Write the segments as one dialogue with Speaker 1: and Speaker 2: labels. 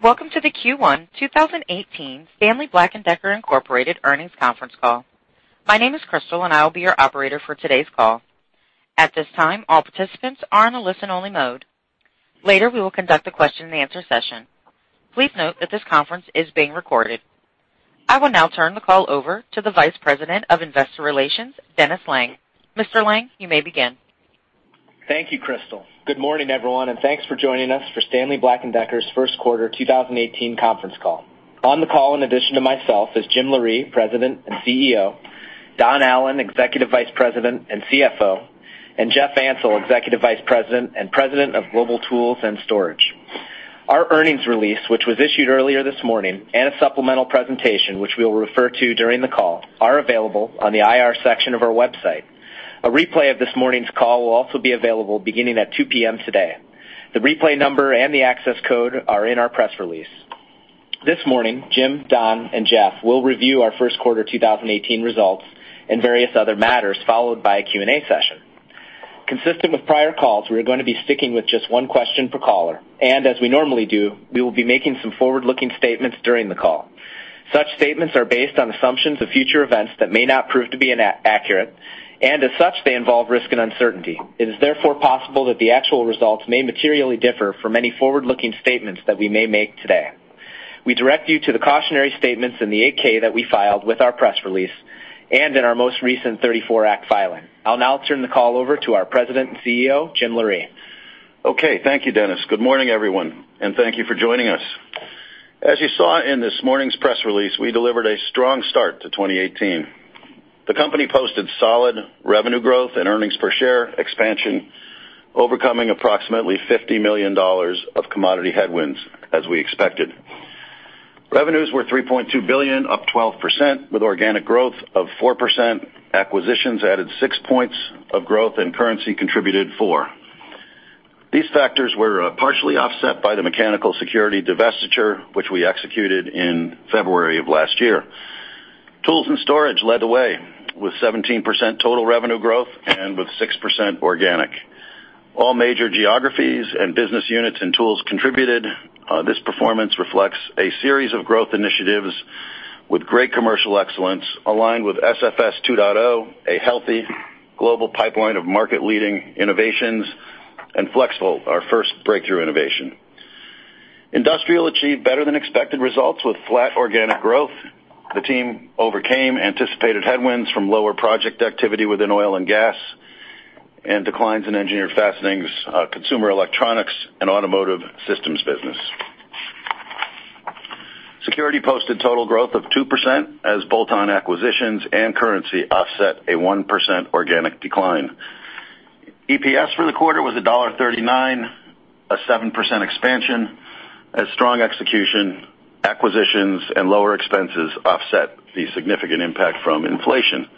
Speaker 1: Welcome to the Q1 2018 Stanley Black & Decker Incorporated earnings conference call. My name is Crystal, and I will be your operator for today's call. At this time, all participants are in a listen-only mode. Later, we will conduct a question and answer session. Please note that this conference is being recorded. I will now turn the call over to the Vice President of Investor Relations, Dennis Lange. Mr. Lange, you may begin.
Speaker 2: Thank you, Crystal. Good morning, everyone, and thanks for joining us for Stanley Black & Decker's first quarter 2018 conference call. On the call, in addition to myself, is Jim Loree, President and CEO, Don Allan, Executive Vice President and CFO, and Jeff Ansell, Executive Vice President and President of Global Tools and Storage. Our earnings release, which was issued earlier this morning, and a supplemental presentation, which we will refer to during the call, are available on the IR section of our website. A replay of this morning's call will also be available beginning at 2:00 P.M. today. The replay number and the access code are in our press release. This morning, Jim, Don, and Jeff will review our first quarter 2018 results and various other matters, followed by a Q&A session. Consistent with prior calls, we are going to be sticking with just one question per caller. As we normally do, we will be making some forward-looking statements during the call. Such statements are based on assumptions of future events that may not prove to be accurate, and as such, they involve risk and uncertainty. It is therefore possible that the actual results may materially differ from any forward-looking statements that we may make today. We direct you to the cautionary statements in the 8-K that we filed with our press release and in our most recent '34 Act filing. I'll now turn the call over to our President and CEO, Jim Loree.
Speaker 3: Okay. Thank you, Dennis. Good morning, everyone, and thank you for joining us. As you saw in this morning's press release, we delivered a strong start to 2018. The company posted solid revenue growth and earnings per share expansion, overcoming approximately $50 million of commodity headwinds as we expected. Revenues were $3.2 billion, up 12%, with organic growth of 4%. Acquisitions added six points of growth. Currency contributed four. These factors were partially offset by the mechanical security divestiture, which we executed in February of last year. Tools and storage led the way with 17% total revenue growth and with 6% organic. All major geographies and business units and tools contributed. This performance reflects a series of growth initiatives with great commercial excellence aligned with SFS 2.0, a healthy global pipeline of market-leading innovations, and FLEXVOLT, our first breakthrough innovation. Industrial achieved better than expected results with flat organic growth. The team overcame anticipated headwinds from lower project activity within oil and gas and declines in Engineered Fastening, consumer electronics, and automotive systems business. Security posted total growth of 2% as bolt-on acquisitions and currency offset a 1% organic decline. EPS for the quarter was $1.39, a 7% expansion, as strong execution, acquisitions, and lower expenses offset the significant impact from inflation.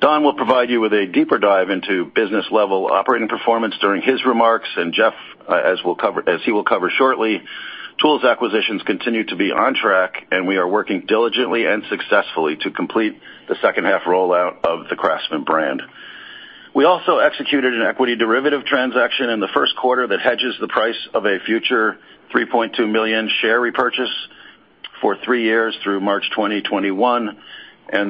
Speaker 3: Don will provide you with a deeper dive into business-level operating performance during his remarks, and Jeff, as he will cover shortly, tools acquisitions continue to be on track, and we are working diligently and successfully to complete the second half rollout of the CRAFTSMAN brand. We also executed an equity derivative transaction in the first quarter that hedges the price of a future 3.2 million share repurchase for three years through March 2021.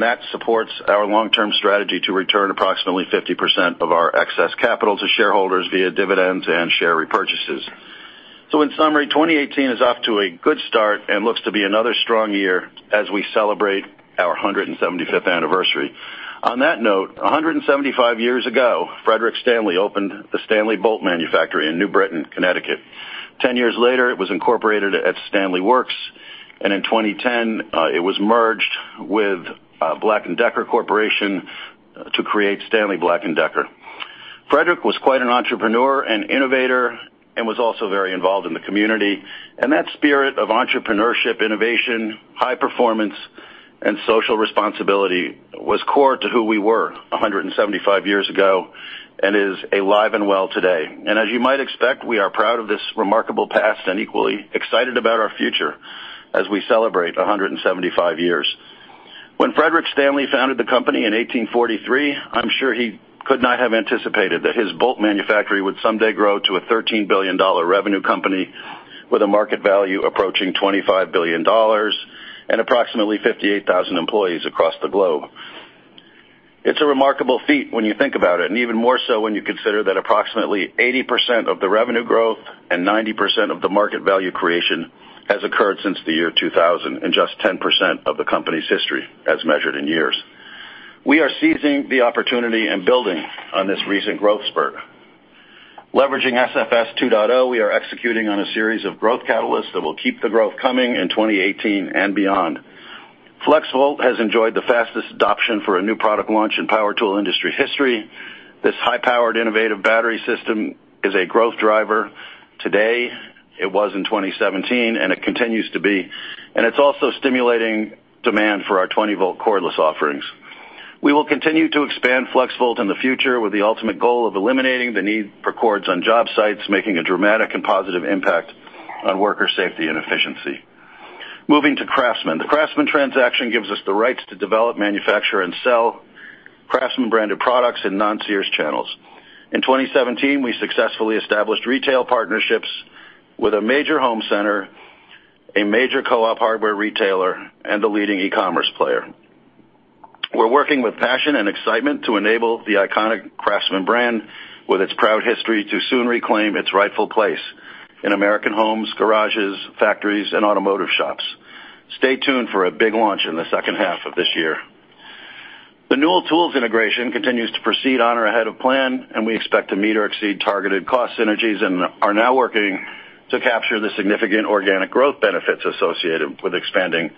Speaker 3: That supports our long-term strategy to return approximately 50% of our excess capital to shareholders via dividends and share repurchases. In summary, 2018 is off to a good start and looks to be another strong year as we celebrate our 175th anniversary. On that note, 175 years ago, Frederick Stanley opened the Stanley's Bolt Manufactory in New Britain, Connecticut. 10 years later, it was incorporated as The Stanley Works, and in 2010, it was merged with The Black & Decker Corporation to create Stanley Black & Decker. Frederick was quite an entrepreneur, an innovator, and was also very involved in the community. That spirit of entrepreneurship, innovation, high performance, and social responsibility was core to who we were 175 years ago and is alive and well today. As you might expect, we are proud of this remarkable past and equally excited about our future as we celebrate 175 years. When Frederick Stanley founded the company in 1843, I'm sure he could not have anticipated that his bolt manufactory would someday grow to a $13 billion revenue company with a market value approaching $25 billion and approximately 58,000 employees across the globe. It's a remarkable feat when you think about it. Even more so when you consider that approximately 80% of the revenue growth and 90% of the market value creation has occurred since the year 2000, in just 10% of the company's history as measured in years. We are seizing the opportunity and building on this recent growth spurt. Leveraging SFS 2.0, we are executing on a series of growth catalysts that will keep the growth coming in 2018 and beyond. FLEXVOLT has enjoyed the fastest adoption for a new product launch in power tool industry history. This high-powered, innovative battery system is a growth driver today, it was in 2017. It continues to be. It's also stimulating demand for our 20-volt cordless offerings. We will continue to expand FLEXVOLT in the future with the ultimate goal of eliminating the need for cords on job sites, making a dramatic and positive impact on worker safety and efficiency. Moving to CRAFTSMAN. The CRAFTSMAN transaction gives us the rights to develop, manufacture, and sell CRAFTSMAN-branded products in non-Sears channels. In 2017, we successfully established retail partnerships with a major home center, a major co-op hardware retailer, and a leading e-commerce player. We're working with passion and excitement to enable the iconic CRAFTSMAN brand, with its proud history, to soon reclaim its rightful place in American homes, garages, factories, and automotive shops. Stay tuned for a big launch in the second half of this year. The Newell Tools integration continues to proceed on or ahead of plan. We expect to meet or exceed targeted cost synergies and are now working to capture the significant organic growth benefits associated with expanding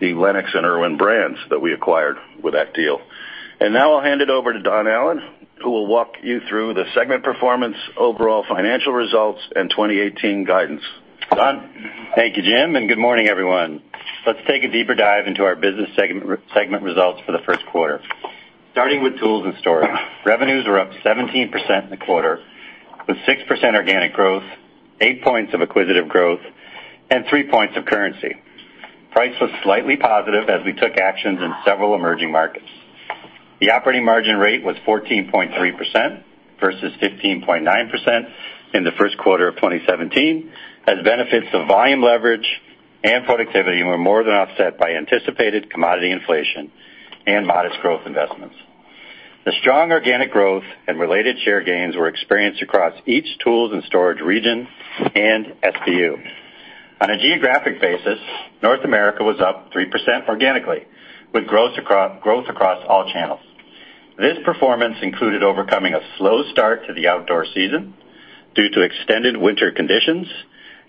Speaker 3: the Lenox and IRWIN brands that we acquired with that deal. Now I'll hand it over to Don Allan, who will walk you through the segment performance, overall financial results, and 2018 guidance. Don?
Speaker 4: Thank you, Jim. Good morning, everyone. Let's take a deeper dive into our business segment results for the first quarter. Starting with tools and storage. Revenues were up 17% in the quarter, with 6% organic growth, eight points of acquisitive growth, and three points of currency. Price was slightly positive as we took actions in several emerging markets. The operating margin rate was 14.3% versus 15.9% in the first quarter of 2017, as benefits of volume leverage and productivity were more than offset by anticipated commodity inflation and modest growth investments. The strong organic growth and related share gains were experienced across each tools and storage region and SBU. On a geographic basis, North America was up 3% organically, with growth across all channels. This performance included overcoming a slow start to the outdoor season due to extended winter conditions,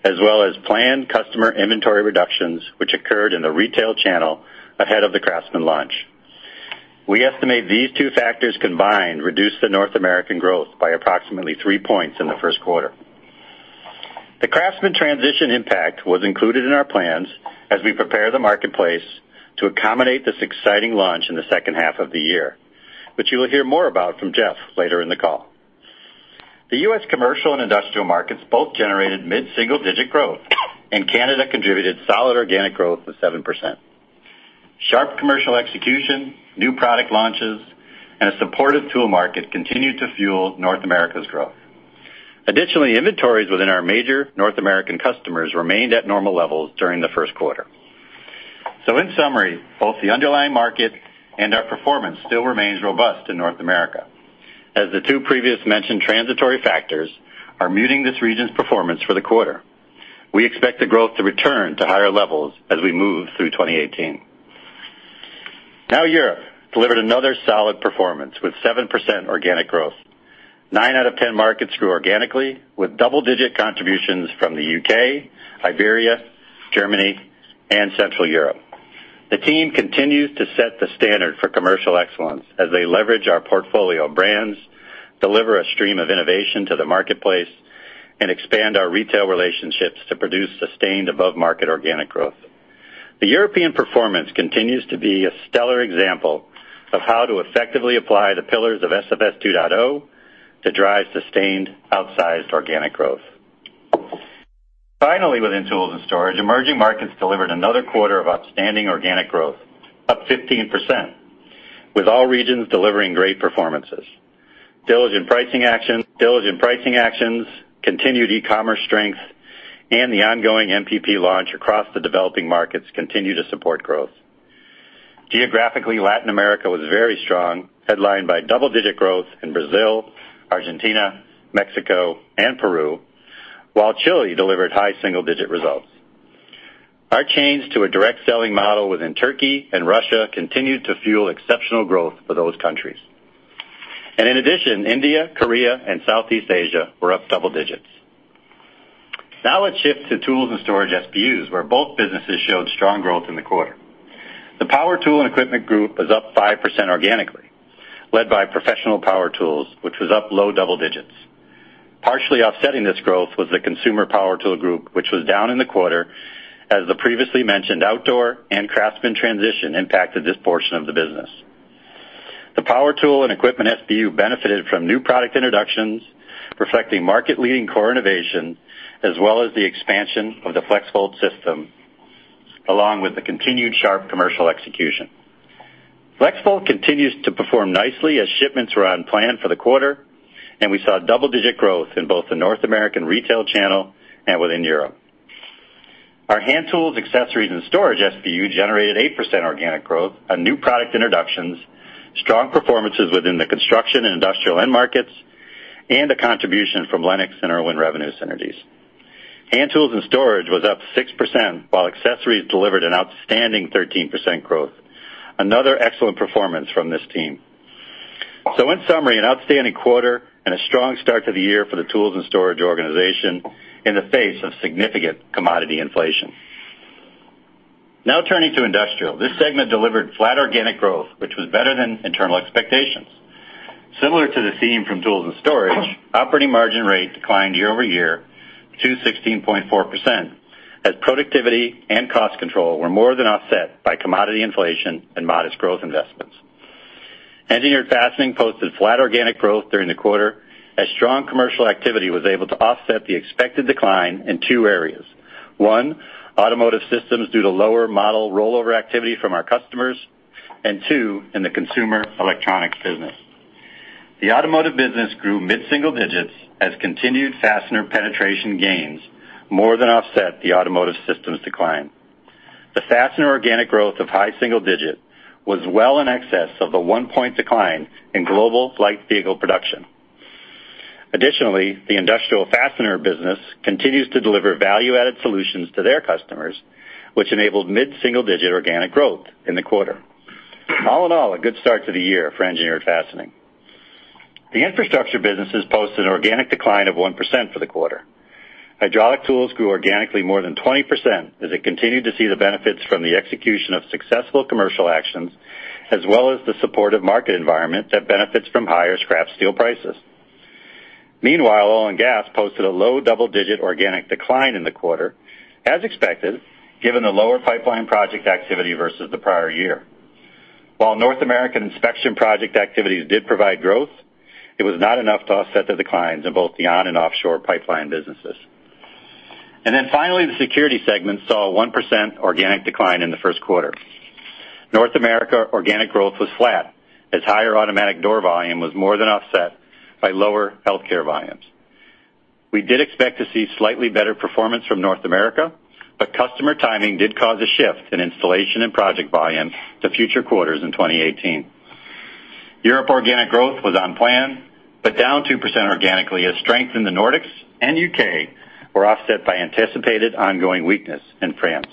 Speaker 4: as well as planned customer inventory reductions, which occurred in the retail channel ahead of the CRAFTSMAN launch. We estimate these two factors combined reduced the North American growth by approximately three points in the first quarter. The CRAFTSMAN transition impact was included in our plans as we prepare the marketplace to accommodate this exciting launch in the second half of the year, which you will hear more about from Jeff later in the call. The U.S. commercial and industrial markets both generated mid-single-digit growth. Canada contributed solid organic growth of 7%. Sharp commercial execution, new product launches, and a supportive tool market continued to fuel North America's growth. Additionally, inventories within our major North American customers remained at normal levels during the first quarter. In summary, both the underlying market and our performance still remains robust in North America. The two previously mentioned transitory factors are muting this region's performance for the quarter. We expect the growth to return to higher levels as we move through 2018. Europe delivered another solid performance with 7% organic growth. Nine out of 10 markets grew organically with double-digit contributions from the U.K., Iberia, Germany, and Central Europe. The team continues to set the standard for commercial excellence as they leverage our portfolio of brands, deliver a stream of innovation to the marketplace, and expand our retail relationships to produce sustained above-market organic growth. The European performance continues to be a stellar example of how to effectively apply the pillars of SFS 2.0 to drive sustained outsized organic growth. Within tools and storage, emerging markets delivered another quarter of outstanding organic growth, up 15%, with all regions delivering great performances. Diligent pricing actions, continued e-commerce strengths, and the ongoing MPP launch across the developing markets continue to support growth. Geographically, Latin America was very strong, headlined by double-digit growth in Brazil, Argentina, Mexico, and Peru, while Chile delivered high single-digit results. In addition, India, Korea, and Southeast Asia were up double digits. Let's shift to tools and storage SBUs, where both businesses showed strong growth in the quarter. The power tool and equipment group was up 5% organically, led by professional power tools, which was up low double digits. Partially offsetting this growth was the consumer power tool group, which was down in the quarter, as the previously mentioned outdoor and CRAFTSMAN transition impacted this portion of the business. The power tool and equipment SBU benefited from new product introductions, reflecting market-leading core innovation, as well as the expansion of the FLEXVOLT system, along with the continued sharp commercial execution. FLEXVOLT continues to perform nicely as shipments were on plan for the quarter, and we saw double-digit growth in both the North American retail channel and within Europe. Our hand tools, accessories, and storage SBU generated 8% organic growth on new product introductions, strong performances within the construction and industrial end markets, and a contribution from Lenox and IRWIN revenue synergies. Hand tools and storage was up 6%, while accessories delivered an outstanding 13% growth. Another excellent performance from this team. In summary, an outstanding quarter and a strong start to the year for the tools and storage organization in the face of significant commodity inflation. Turning to industrial. This segment delivered flat organic growth, which was better than internal expectations. Similar to the theme from tools and storage, operating margin rate declined year-over-year to 16.4% as productivity and cost control were more than offset by commodity inflation and modest growth investments. Engineered Fastening posted flat organic growth during the quarter, as strong commercial activity was able to offset the expected decline in two areas. One, automotive systems due to lower model rollover activity from our customers, and two, in the consumer electronic business. The automotive business grew mid-single digits as continued fastener penetration gains more than offset the automotive systems decline. The fastener organic growth of high single digit was well in excess of the 1-point decline in global light vehicle production. Additionally, the industrial fastener business continues to deliver value-added solutions to their customers, which enabled mid-single-digit organic growth in the quarter. All in all, a good start to the year for Engineered Fastening. The infrastructure businesses posted an organic decline of 1% for the quarter. Hydraulic tools grew organically more than 20% as it continued to see the benefits from the execution of successful commercial actions, as well as the supportive market environment that benefits from higher scrap steel prices. Meanwhile, oil and gas posted a low double-digit organic decline in the quarter, as expected, given the lower pipeline project activity versus the prior year. Finally, the security segment saw a 1% organic decline in the first quarter. North America organic growth was flat, as higher automatic door volume was more than offset by lower healthcare volumes. We did expect to see slightly better performance from North America, but customer timing did cause a shift in installation and project volume to future quarters in 2018. Europe organic growth was on plan, down 2% organically as strength in the Nordics and U.K. were offset by anticipated ongoing weakness in France.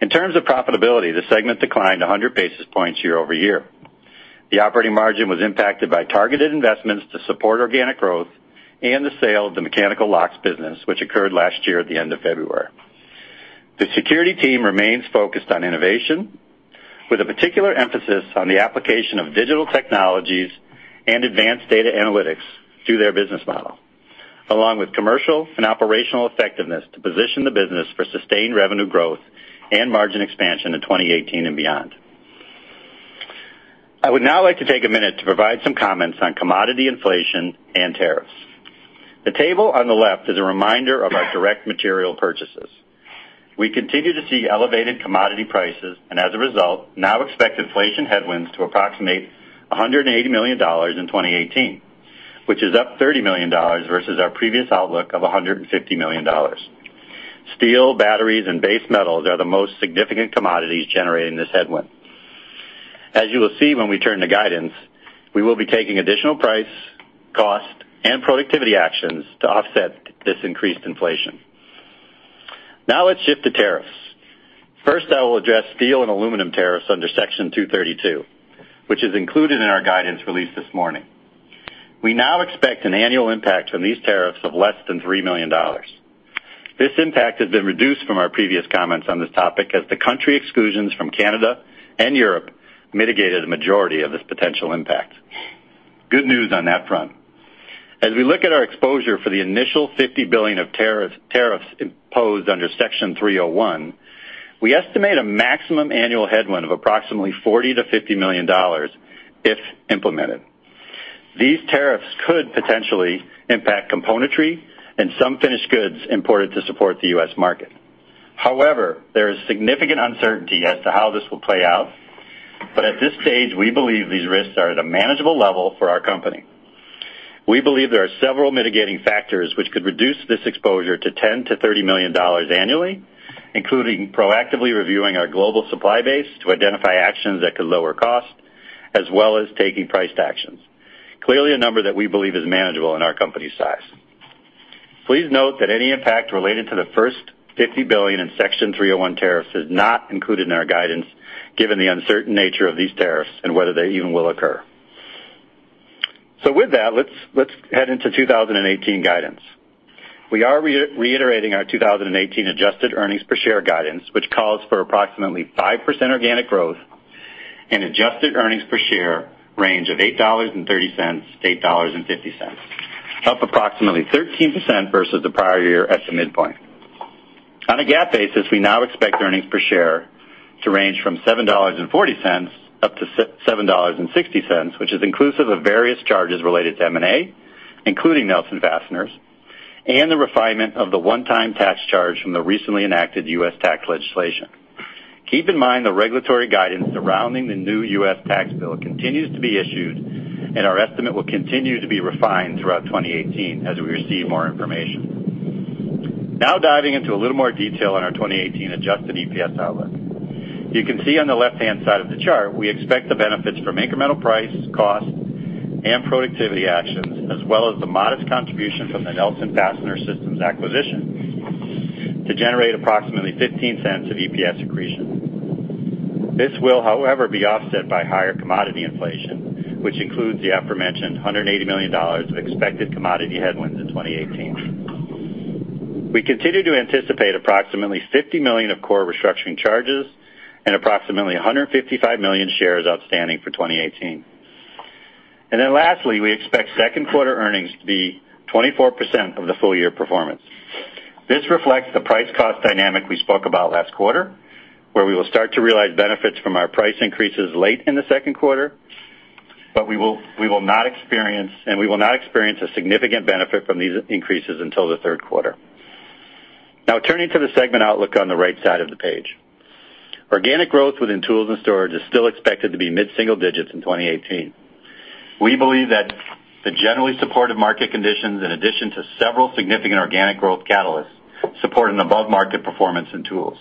Speaker 4: In terms of profitability, the segment declined 100 basis points year-over-year. The operating margin was impacted by targeted investments to support organic growth and the sale of the mechanical locks business, which occurred last year at the end of February. The security team remains focused on innovation, with a particular emphasis on the application of digital technologies and advanced data analytics through their business model, along with commercial and operational effectiveness to position the business for sustained revenue growth and margin expansion in 2018 and beyond. I would now like to take a minute to provide some comments on commodity inflation and tariffs. The table on the left is a reminder of our direct material purchases. We continue to see elevated commodity prices, and as a result, now expect inflation headwinds to approximate $180 million in 2018, which is up $30 million versus our previous outlook of $150 million. Steel, batteries, and base metals are the most significant commodities generating this headwind. As you will see when we turn to guidance, we will be taking additional price, cost, and productivity actions to offset this increased inflation. Now let's shift to tariffs. First, I will address steel and aluminum tariffs under Section 232, which is included in our guidance release this morning. We now expect an annual impact from these tariffs of less than $3 million. This impact has been reduced from our previous comments on this topic, as the country exclusions from Canada and Europe mitigated the majority of this potential impact. Good news on that front. As we look at our exposure for the initial $50 billion of tariffs imposed under Section 301, we estimate a maximum annual headwind of approximately $40 million-$50 million if implemented. These tariffs could potentially impact componentry and some finished goods imported to support the U.S. market. There is significant uncertainty as to how this will play out, but at this stage, we believe these risks are at a manageable level for our company. We believe there are several mitigating factors which could reduce this exposure to $10 million to $30 million annually, including proactively reviewing our global supply base to identify actions that could lower cost, as well as taking priced actions. Clearly, a number that we believe is manageable in our company's size. Please note that any impact related to the first $50 billion in Section 301 tariffs is not included in our guidance, given the uncertain nature of these tariffs and whether they even will occur. With that, let's head into 2018 guidance. We are reiterating our 2018 adjusted earnings per share guidance, which calls for approximately 5% organic growth and adjusted earnings per share range of $8.30 to $8.50, up approximately 13% versus the prior year at the midpoint. On a GAAP basis, we now expect earnings per share to range from $7.40 up to $7.60, which is inclusive of various charges related to M&A, including Nelson Fastener Systems, and the refinement of the one-time tax charge from the recently enacted U.S. tax legislation. Keep in mind, the regulatory guidance surrounding the new U.S. tax bill continues to be issued, and our estimate will continue to be refined throughout 2018 as we receive more information. Diving into a little more detail on our 2018 adjusted EPS outlook. You can see on the left-hand side of the chart, we expect the benefits from incremental price, cost, and productivity actions, as well as the modest contribution from the Nelson Fastener Systems acquisition, to generate approximately $0.15 of EPS accretion. This will, however, be offset by higher commodity inflation, which includes the aforementioned $180 million of expected commodity headwinds in 2018. We continue to anticipate approximately $50 million of core restructuring charges and approximately 155 million shares outstanding for 2018. Lastly, we expect second quarter earnings to be 24% of the full year performance. This reflects the price cost dynamic we spoke about last quarter, where we will start to realize benefits from our price increases late in the second quarter, and we will not experience a significant benefit from these increases until the third quarter. Turning to the segment outlook on the right side of the page. Organic growth within tools and storage is still expected to be mid-single digits in 2018. We believe that the generally supportive market conditions, in addition to several significant organic growth catalysts, support an above-market performance in tools.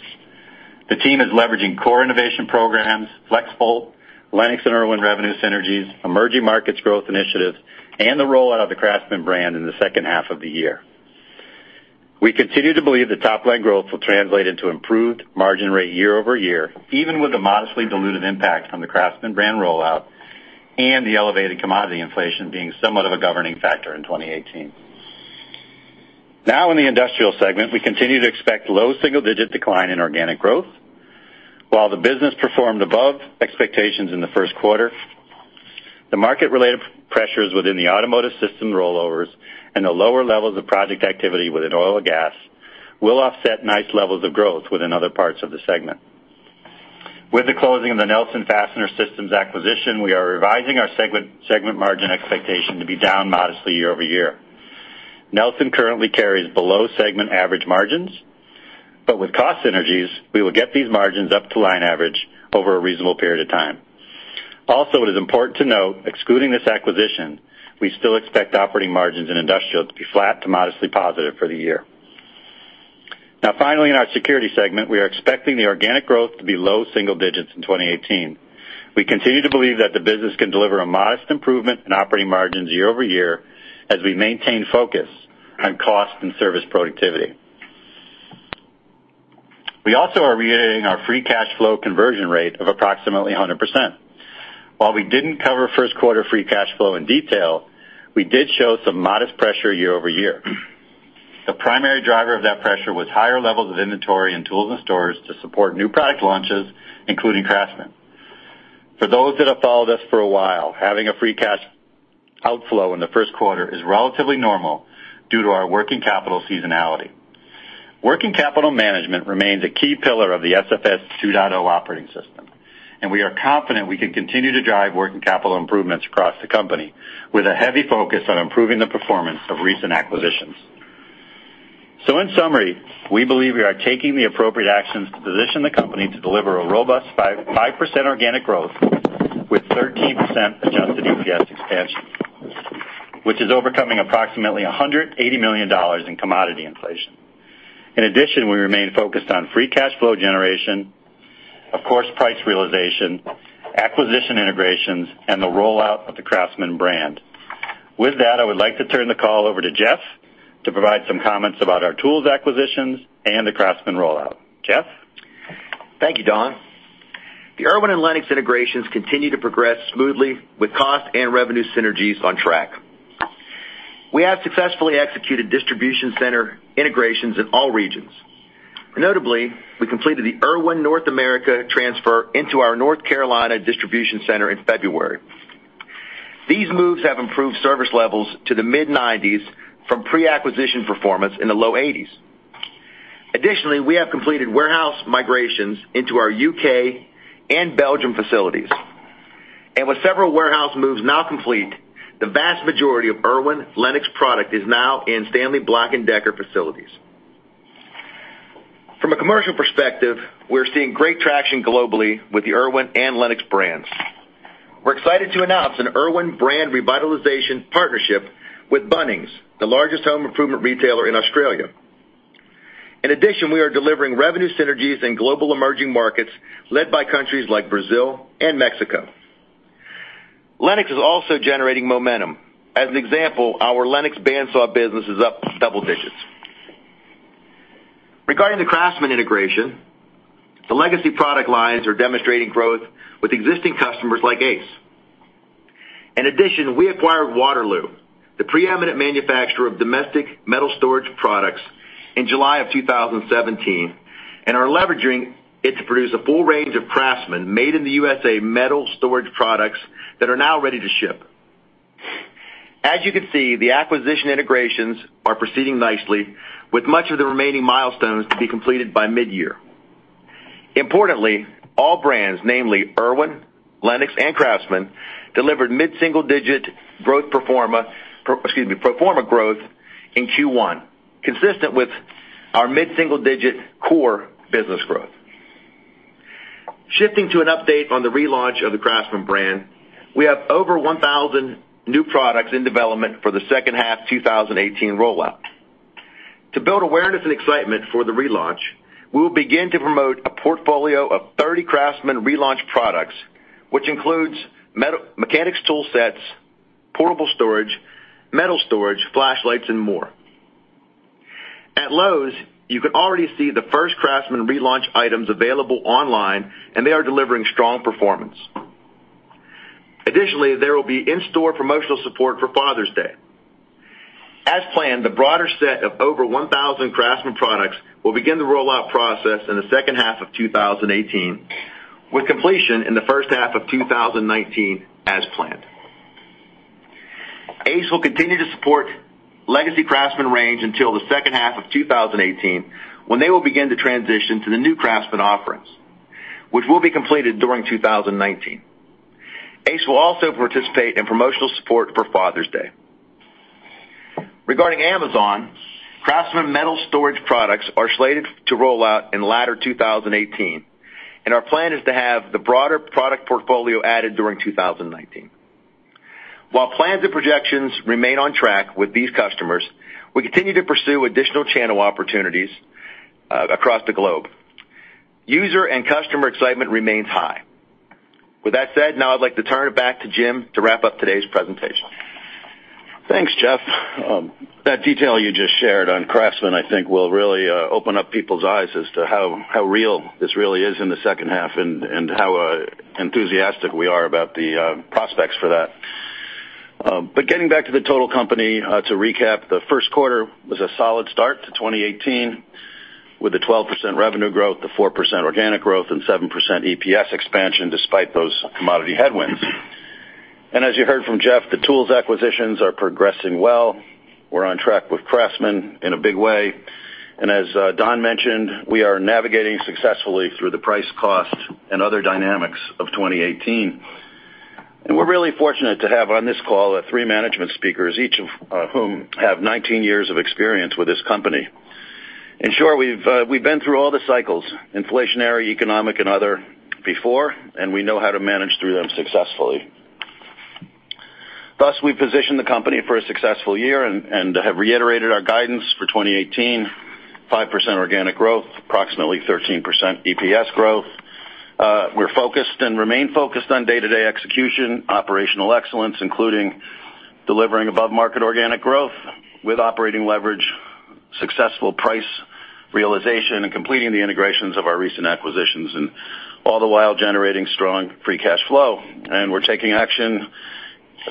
Speaker 4: The team is leveraging core innovation programs, FLEXVOLT, Lenox and IRWIN revenue synergies, emerging markets growth initiatives, and the rollout of the CRAFTSMAN brand in the second half of the year. We continue to believe that top line growth will translate into improved margin rate year-over-year, even with the modestly dilutive impact from the CRAFTSMAN brand rollout and the elevated commodity inflation being somewhat of a governing factor in 2018. In the industrial segment, we continue to expect low single-digit decline in organic growth. While the business performed above expectations in the first quarter, the market-related pressures within the automotive system rollovers and the lower levels of project activity within oil and gas will offset nice levels of growth within other parts of the segment. With the closing of the Nelson Fastener Systems acquisition, we are revising our segment margin expectation to be down modestly year-over-year. Nelson currently carries below-segment average margins, but with cost synergies, we will get these margins up to line average over a reasonable period of time. It is important to note, excluding this acquisition, we still expect operating margins in industrial to be flat to modestly positive for the year. Finally, in our security segment, we are expecting the organic growth to be low single digits in 2018. We continue to believe that the business can deliver a modest improvement in operating margins year-over-year as we maintain focus on cost and service productivity. We are reiterating our free cash flow conversion rate of approximately 100%. While we didn't cover first quarter free cash flow in detail, we did show some modest pressure year-over-year. The primary driver of that pressure was higher levels of inventory and Tools & Storage to support new product launches, including CRAFTSMAN. For those that have followed us for a while, having a free cash outflow in the first quarter is relatively normal due to our working capital seasonality. Working capital management remains a key pillar of the SFS 2.0 operating system, we are confident we can continue to drive working capital improvements across the company, with a heavy focus on improving the performance of recent acquisitions. In summary, we believe we are taking the appropriate actions to position the company to deliver a robust 5% organic growth with 13% adjusted EPS expansion, which is overcoming approximately $180 million in commodity inflation. In addition, we remain focused on free cash flow generation, of course, price realization, acquisition integrations, and the rollout of the CRAFTSMAN brand. With that, I would like to turn the call over to Jeff to provide some comments about our tools acquisitions and the CRAFTSMAN rollout. Jeff?
Speaker 5: Thank you, Don. The IRWIN and Lenox integrations continue to progress smoothly with cost and revenue synergies on track. We have successfully executed distribution center integrations in all regions. Notably, we completed the IRWIN North America transfer into our North Carolina distribution center in February. These moves have improved service levels to the mid-90s from pre-acquisition performance in the low 80s. Additionally, we have completed warehouse migrations into our U.K. and Belgium facilities. With several warehouse moves now complete, the vast majority of IRWIN/Lenox product is now in Stanley Black & Decker facilities. From a commercial perspective, we're seeing great traction globally with the IRWIN and Lenox brands. We're excited to announce an IRWIN brand revitalization partnership with Bunnings, the largest home improvement retailer in Australia. In addition, we are delivering revenue synergies in global emerging markets led by countries like Brazil and Mexico. Lenox is also generating momentum. As an example, our Lenox band saw business is up double digits. Regarding the CRAFTSMAN integration, the legacy product lines are demonstrating growth with existing customers like ACE. In addition, we acquired Waterloo, the preeminent manufacturer of domestic metal storage products, in July of 2017 and are leveraging it to produce a full range of CRAFTSMAN made in the U.S.A. metal storage products that are now ready to ship. As you can see, the acquisition integrations are proceeding nicely, with much of the remaining milestones to be completed by mid-year. Importantly, all brands, namely IRWIN, Lenox, and CRAFTSMAN, delivered mid-single-digit pro forma growth in Q1, consistent with our mid-single-digit core business growth. Shifting to an update on the relaunch of the CRAFTSMAN brand, we have over 1,000 new products in development for the second half 2018 rollout. To build awareness and excitement for the relaunch, we will begin to promote a portfolio of 30 CRAFTSMAN relaunch products, which includes mechanics tool sets, portable storage, metal storage, flashlights, and more. At Lowe's, you can already see the first CRAFTSMAN relaunch items available online. They are delivering strong performance. Additionally, there will be in-store promotional support for Father's Day. As planned, the broader set of over 1,000 CRAFTSMAN products will begin the rollout process in the second half of 2018, with completion in the first half of 2019 as planned. ACE will continue to support legacy CRAFTSMAN range until the second half of 2018, when they will begin to transition to the new CRAFTSMAN offerings, which will be completed during 2019. ACE will also participate in promotional support for Father's Day. Regarding Amazon, CRAFTSMAN metal storage products are slated to roll out in latter 2018. Our plan is to have the broader product portfolio added during 2019. While plans and projections remain on track with these customers, we continue to pursue additional channel opportunities across the globe. User and customer excitement remains high. With that said, now I'd like to turn it back to Jim to wrap up today's presentation.
Speaker 3: Thanks, Jeff. That detail you just shared on CRAFTSMAN, I think, will really open up people's eyes as to how real this really is in the second half and how enthusiastic we are about the prospects for that. Getting back to the total company, to recap, the first quarter was a solid start to 2018 with the 12% revenue growth, the 4% organic growth, and 7% EPS expansion despite those commodity headwinds. As you heard from Jeff, the tools acquisitions are progressing well. We're on track with CRAFTSMAN in a big way. As Don mentioned, we are navigating successfully through the price cost and other dynamics of 2018. We're really fortunate to have on this call three management speakers, each of whom have 19 years of experience with this company. Sure, we've been through all the cycles, inflationary, economic, and other before, and we know how to manage through them successfully. Thus, we position the company for a successful year and have reiterated our guidance for 2018, 5% organic growth, approximately 13% EPS growth. We're focused and remain focused on day-to-day execution, operational excellence, including delivering above-market organic growth with operating leverage, successful price realization, and completing the integrations of our recent acquisitions, all the while generating strong free cash flow. We're taking action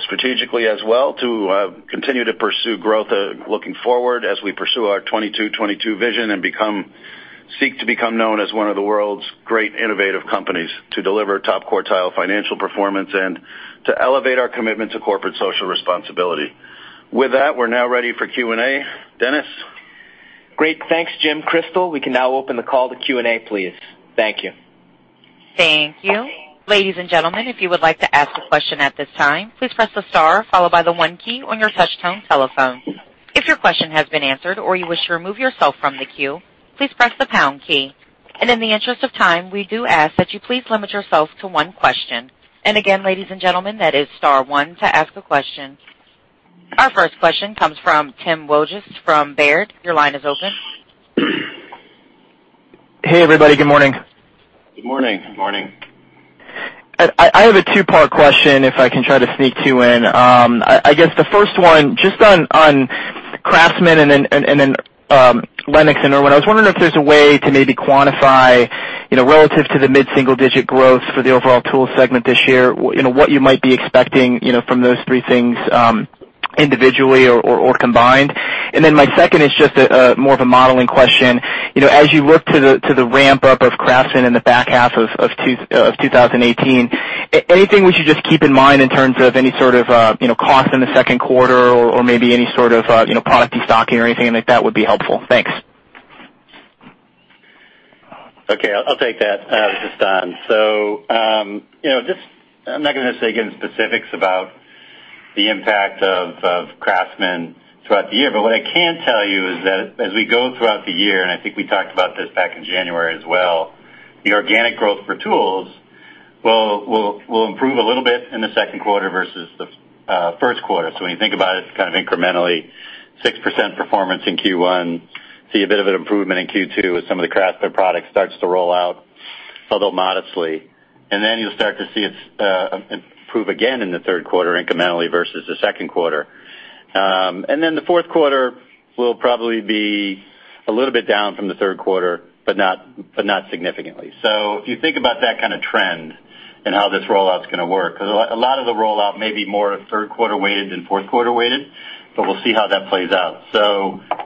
Speaker 3: strategically as well to continue to pursue growth looking forward as we pursue our 22/22 vision and seek to become known as one of the world's great innovative companies to deliver top-quartile financial performance and to elevate our commitment to corporate social responsibility. With that, we're now ready for Q&A. Dennis?
Speaker 2: Great. Thanks, Jim. Crystal, we can now open the call to Q&A, please. Thank you.
Speaker 1: Thank you. Ladies and gentlemen, if you would like to ask a question at this time, please press the star followed by the one key on your touch tone telephone. If your question has been answered or you wish to remove yourself from the queue, please press the pound key. In the interest of time, we do ask that you please limit yourself to one question. Again, ladies and gentlemen, that is star one to ask a question. Our first question comes from Tim Wojs from Baird. Your line is open.
Speaker 6: Hey, everybody. Good morning.
Speaker 3: Good morning.
Speaker 4: Good morning.
Speaker 6: I have a two-part question if I can try to sneak two in. I guess the first one, just on CRAFTSMAN and then Lenox and IRWIN, I was wondering if there's a way to maybe quantify, relative to the mid-single-digit growth for the overall tool segment this year, what you might be expecting from those three things individually or combined. My second is just more of a modeling question. As you look to the ramp-up of CRAFTSMAN in the back half of 2018, anything we should just keep in mind in terms of any sort of cost in the second quarter or maybe any sort of product destocking or anything like that would be helpful. Thanks.
Speaker 4: Okay. I'll take that. This is Don. I'm not going to say, again, specifics about the impact of CRAFTSMAN throughout the year. What I can tell you is that as we go throughout the year, and I think we talked about this back in January as well, the organic growth for tools will improve a little bit in the second quarter versus the first quarter. When you think about it's kind of incrementally 6% performance in Q1. See a bit of an improvement in Q2 as some of the CRAFTSMAN products starts to roll out, although modestly. You'll start to see it improve again in the third quarter incrementally versus the second quarter. The fourth quarter will probably be a little bit down from the third quarter, but not significantly. If you think about that kind of trend and how this rollout's going to work, because a lot of the rollout may be more third quarter weighted than fourth quarter weighted, but we'll see how that plays out.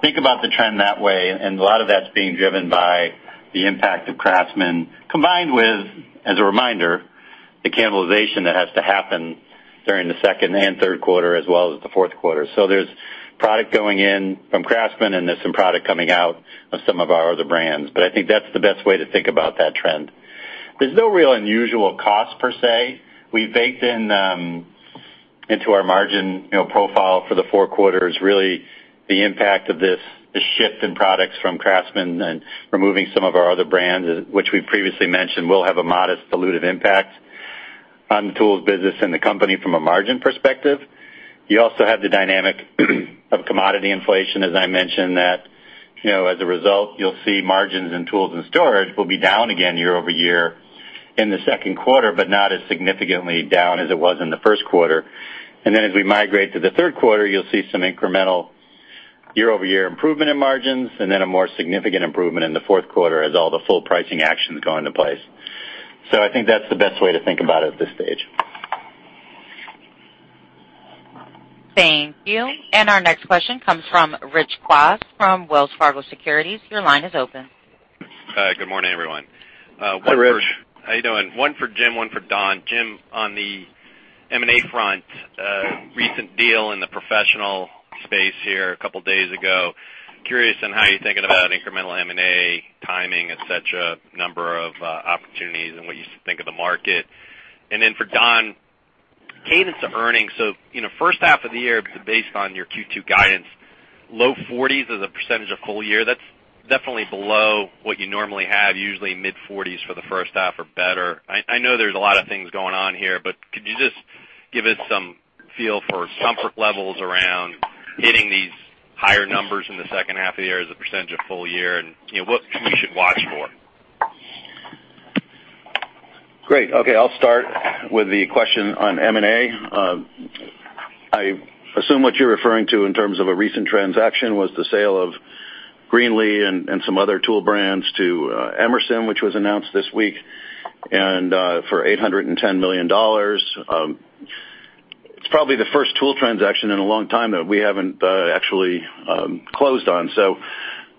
Speaker 4: Think about the trend that way, and a lot of that's being driven by the impact of CRAFTSMAN, combined with, as a reminder, the cannibalization that has to happen during the second and third quarter as well as the fourth quarter. There's product going in from CRAFTSMAN, and there's some product coming out of some of our other brands. I think that's the best way to think about that trend. There's no real unusual cost per se. We baked into our margin profile for the four quarters, really the impact of this shift in products from CRAFTSMAN and removing some of our other brands, which we've previously mentioned will have a modest dilutive impact on the tools business and the company from a margin perspective. You also have the dynamic of commodity inflation, as I mentioned, that as a result, you'll see margins in tools and storage will be down again year-over-year in the second quarter, but not as significantly down as it was in the first quarter. As we migrate to the third quarter, you'll see some incremental year-over-year improvement in margins, then a more significant improvement in the fourth quarter as all the full pricing actions go into place. I think that's the best way to think about it at this stage.
Speaker 1: Thank you. Our next question comes from Rich Kwas from Wells Fargo Securities. Your line is open.
Speaker 7: Hi. Good morning, everyone.
Speaker 3: Hi, Rich.
Speaker 7: How you doing? One for Jim, one for Don. Jim, on the M&A front, recent deal in the professional space here a couple of days ago. Curious on how you're thinking about incremental M&A timing, et cetera, number of opportunities, and what you think of the market. For Don, cadence of earnings. First half of the year, based on your Q2 guidance, low 40s as a percentage of full year, that's definitely below what you normally have, usually mid-40s for the first half or better. I know there's a lot of things going on here, could you just give us some feel for comfort levels around hitting these higher numbers in the second half of the year as a percentage of full year and what we should watch for?
Speaker 3: Great. Okay, I'll start with the question on M&A. I assume what you're referring to in terms of a recent transaction was the sale of Greenlee and some other tool brands to Emerson, which was announced this week, and for $810 million. It's probably the first tool transaction in a long time that we haven't actually closed on.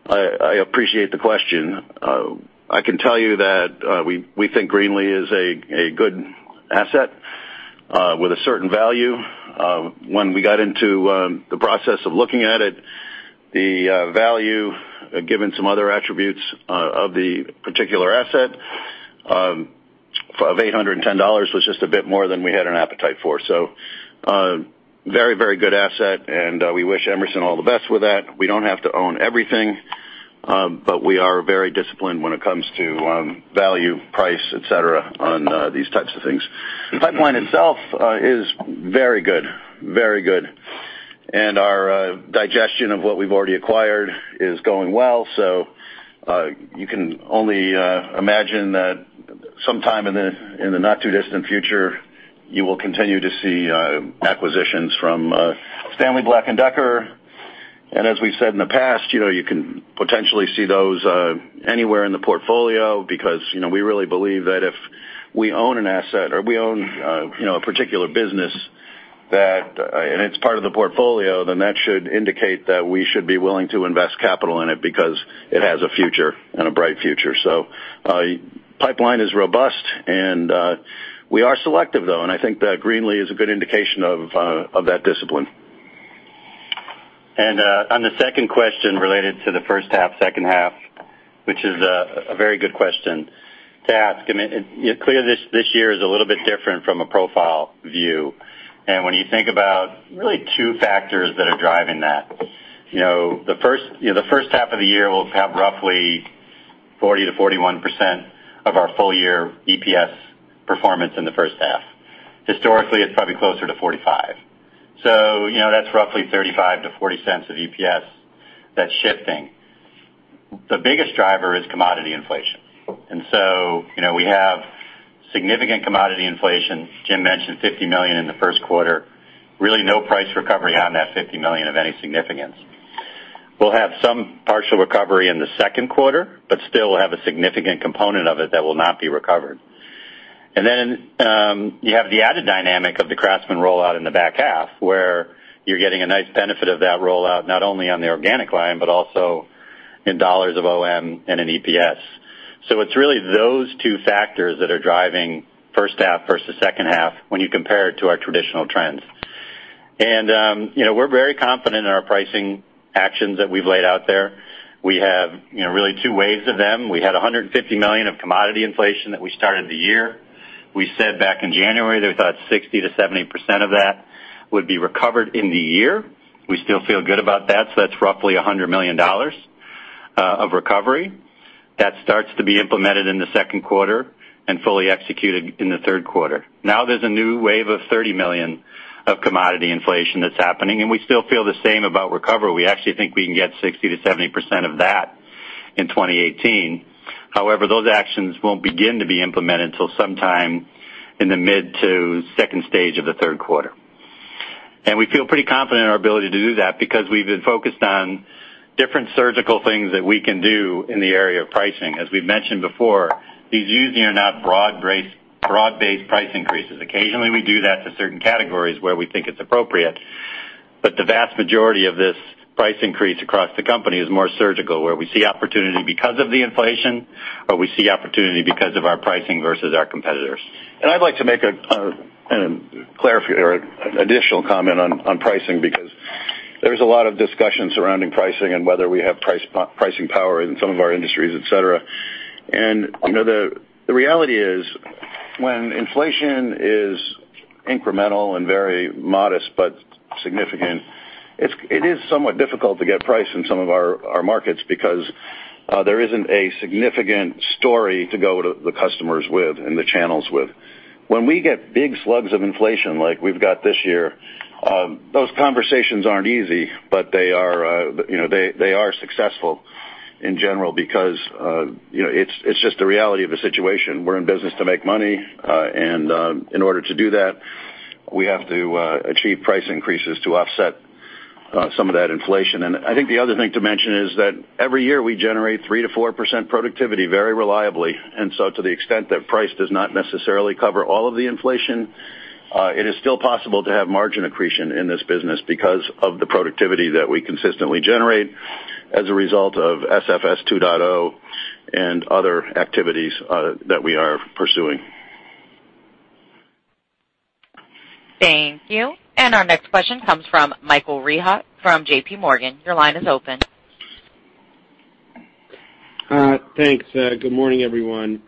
Speaker 3: I appreciate the question. I can tell you that we think Greenlee is a good asset with a certain value. When we got into the process of looking at it, the value, given some other attributes of the particular asset of $810 was just a bit more than we had an appetite for. Very good asset, and we wish Emerson all the best with that. We don't have to own everything, we are very disciplined when it comes to value, price, et cetera, on these types of things. The pipeline itself is very good. Our digestion of what we've already acquired is going well. You can only imagine that sometime in the not too distant future, you will continue to see acquisitions from Stanley Black & Decker. As we said in the past, you can potentially see those anywhere in the portfolio because we really believe that if we own an asset or we own a particular business, and it's part of the portfolio, then that should indicate that we should be willing to invest capital in it because it has a future and a bright future. Pipeline is robust, and we are selective, though. I think that Greenlee is a good indication of that discipline.
Speaker 4: On the second question related to the first half, second half, which is a very good question to ask. Clearly, this year is a little bit different from a profile view. When you think about really two factors that are driving that. The first half of the year will have roughly 40%-41% of our full year EPS performance in the first half. Historically, it's probably closer to 45%. That's roughly $0.35-$0.40 of EPS that's shifting. The biggest driver is commodity inflation. We have significant commodity inflation. Jim mentioned $50 million in the first quarter. Really no price recovery on that $50 million of any significance. We'll have some partial recovery in the second quarter, but still have a significant component of it that will not be recovered. You have the added dynamic of the CRAFTSMAN rollout in the back half, where you're getting a nice benefit of that rollout, not only on the organic line, but also in dollars of OM and in EPS. It's really those two factors that are driving first half versus second half when you compare it to our traditional trends. We're very confident in our pricing actions that we've laid out there. We have really two waves of them. We had $150 million of commodity inflation that we started the year. We said back in January that we thought 60%-70% of that would be recovered in the year. We still feel good about that. That's roughly $100 million of recovery. That starts to be implemented in the second quarter and fully executed in the third quarter. There's a new wave of $30 million of commodity inflation that's happening. We still feel the same about recovery. We actually think we can get 60%-70% of that in 2018. However, those actions won't begin to be implemented until sometime in the mid to second stage of the third quarter. We feel pretty confident in our ability to do that because we've been focused on different surgical things that we can do in the area of pricing. As we've mentioned before, these usually are not broad-based price increases. Occasionally, we do that to certain categories where we think it's appropriate, but the vast majority of this price increase across the company is more surgical, where we see opportunity because of the inflation, or we see opportunity because of our pricing versus our competitors.
Speaker 3: I'd like to make an additional comment on pricing, because there's a lot of discussion surrounding pricing and whether we have pricing power in some of our industries, et cetera. The reality is, when inflation is incremental and very modest but significant, it is somewhat difficult to get price in some of our markets because there isn't a significant story to go to the customers with and the channels with. When we get big slugs of inflation like we've got this year, those conversations aren't easy, but they are successful in general because it's just the reality of the situation. We're in business to make money, and in order to do that, we have to achieve price increases to offset
Speaker 4: Some of that inflation. I think the other thing to mention is that every year we generate 3%-4% productivity very reliably. To the extent that price does not necessarily cover all of the inflation, it is still possible to have margin accretion in this business because of the productivity that we consistently generate as a result of SFS 2.0 and other activities that we are pursuing.
Speaker 1: Thank you. Our next question comes from Michael Rehaut from J.P. Morgan. Your line is open.
Speaker 8: Thanks. Good morning, everyone.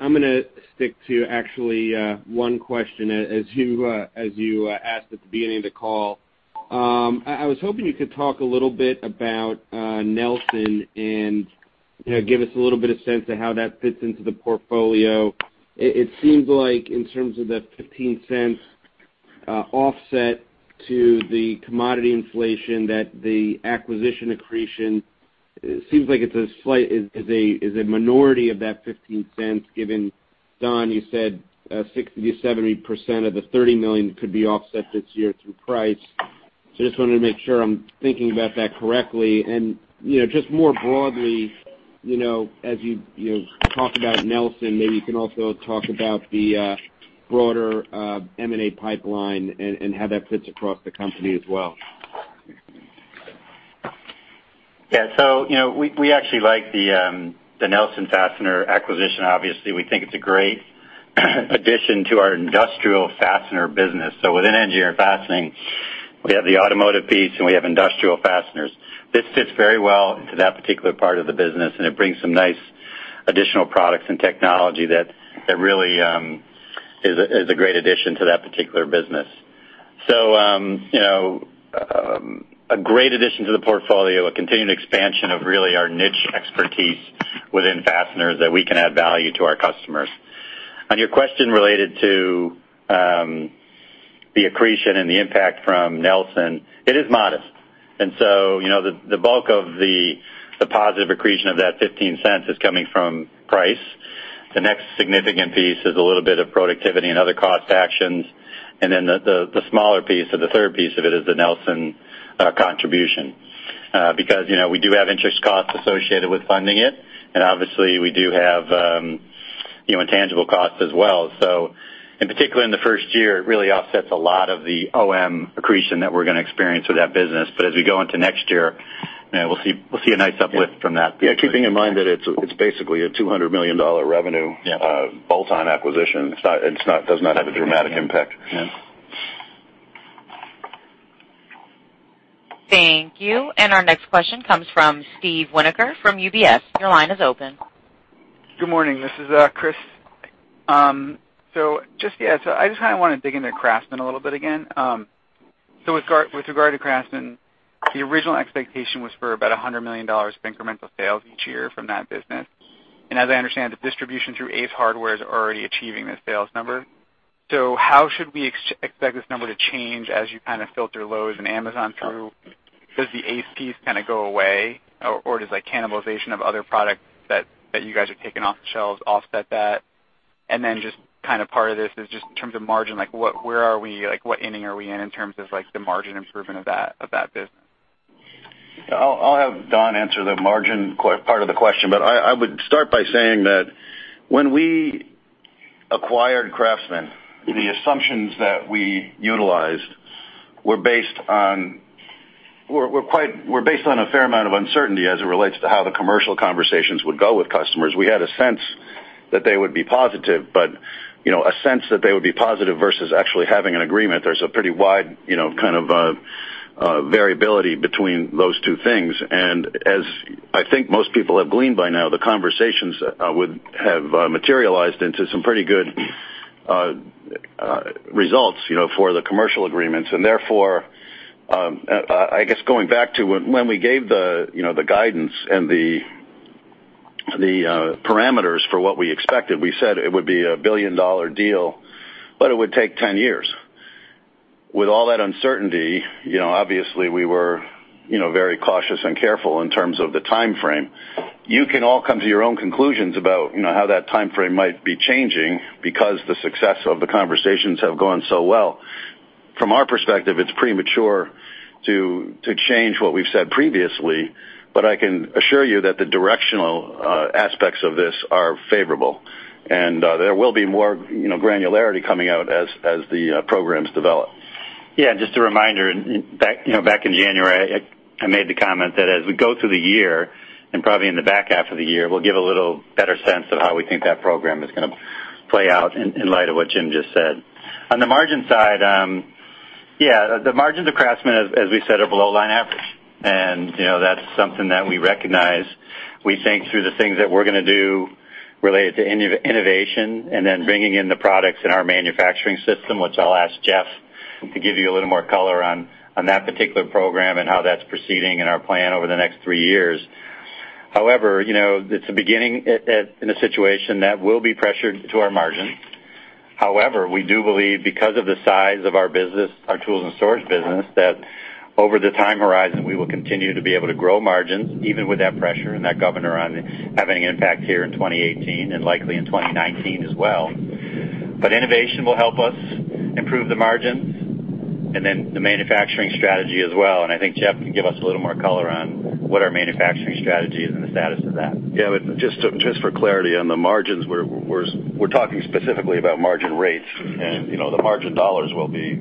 Speaker 8: I'm going to stick to actually one question, as you asked at the beginning of the call. I was hoping you could talk a little bit about Nelson and give us a little bit of sense of how that fits into the portfolio. It seems like in terms of the $0.15 offset to the commodity inflation, that the acquisition accretion, seems like it's a minority of that $0.15, given, Don, you said 60%-70% of the $30 million could be offset this year through price. Just wanted to make sure I'm thinking about that correctly. Just more broadly, as you talk about Nelson, maybe you can also talk about the broader M&A pipeline and how that fits across the company as well.
Speaker 4: We actually like the Nelson Fastener acquisition. Obviously, we think it's a great addition to our industrial fastener business. So within Engineered Fastening, we have the automotive piece, and we have industrial fasteners. This fits very well into that particular part of the business, and it brings some nice additional products and technology that really is a great addition to that particular business. So, a great addition to the portfolio, a continued expansion of really our niche expertise within fasteners that we can add value to our customers. On your question related to the accretion and the impact from Nelson, it is modest. The bulk of the positive accretion of that $0.15 is coming from price. The next significant piece is a little bit of productivity and other cost actions. Then the smaller piece or the third piece of it is the Nelson contribution. We do have interest costs associated with funding it, and obviously, we do have intangible costs as well. So in particular, in the first year, it really offsets a lot of the OM accretion that we're going to experience with that business. But as we go into next year, we'll see a nice uplift from that. Keeping in mind that it's basically a $200 million revenue full-time acquisition. It does not have a dramatic impact. Thank you. Our next question comes from Steve Winoker from UBS. Your line is open.
Speaker 9: Good morning. This is Chris. I just kind of want to dig into CRAFTSMAN a little bit again. With regard to CRAFTSMAN, the original expectation was for about $100 million of incremental sales each year from that business. As I understand, the distribution through Ace Hardware is already achieving this sales number. How should we expect this number to change as you kind of filter Lowe's and Amazon through? Does the Ace piece kind of go away, or does cannibalization of other products that you guys are taking off the shelves offset that? In terms of margin, where are we? What inning are we in in terms of the margin improvement of that business?
Speaker 5: I'll have Don answer the margin part of the question. I would start by saying that when we acquired CRAFTSMAN, the assumptions that we utilized were based on a fair amount of uncertainty as it relates to how the commercial conversations would go with customers. We had a sense that they would be positive, but a sense that they would be positive versus actually having an agreement, there's a pretty wide kind of variability between those two things. As I think most people have gleaned by now, the conversations would have materialized into some pretty good results for the commercial agreements. I guess going back to when we gave the guidance and the parameters for what we expected, we said it would be a billion-dollar deal. It would take 10 years. With all that uncertainty, obviously, we were very cautious and careful in terms of the timeframe. You can all come to your own conclusions about how that timeframe might be changing because the success of the conversations have gone so well. From our perspective, it's premature to change what we've said previously. I can assure you that the directional aspects of this are favorable, and there will be more granularity coming out as the programs develop. Yeah, just a reminder, back in January, I made the comment that as we go through the year, probably in the back half of the year, we'll give a little better sense of how we think that program is going to play out in light of what Jim just said. On the margin side, the margins of CRAFTSMAN, as we said, are below line average. That's something that we recognize.
Speaker 4: We think through the things that we're going to do related to innovation and then bringing in the products in our manufacturing system, which I'll ask Jeff to give you a little more color on that particular program and how that's proceeding and our plan over the next three years. It's a beginning in a situation that will be pressured to our margins. We do believe because of the size of our business, our tools and storage business, that over the time horizon, we will continue to be able to grow margins, even with that pressure and that governor on having an impact here in 2018 and likely in 2019 as well. Innovation will help us improve the margins. The manufacturing strategy as well. I think Jeff can give us a little more color on what our manufacturing strategy is and the status of that.
Speaker 3: Yeah. Just for clarity on the margins, we're talking specifically about margin rates and the margin dollars will be